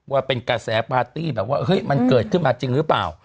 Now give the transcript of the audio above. ว่าเป็นกระแสปาร์ตี้แบบว่าเฮ้ยมันเกิดขึ้นมาจริงหรือเปล่า